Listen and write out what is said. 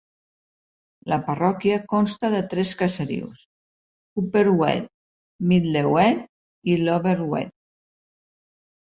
La parròquia consta de tres caserius: Upper Weald, Middle Weald i Lower Weald.